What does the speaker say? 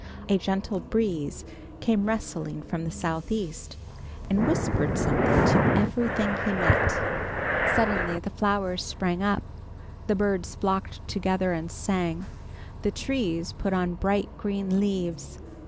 A gentle breeze came rustling from the southeast, and whispered something to everything he met. Suddenly the flowers sprang up; the birds flocked together and sang; the trees put on bright green leaves.